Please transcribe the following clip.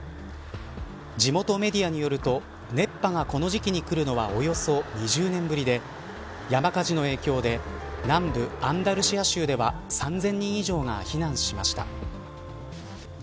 地元メディアによると熱波がこの時期に来るのはおよそ２０年ぶりで山火事の影響で南部アンダルシア州では３０００人以上が避難しました。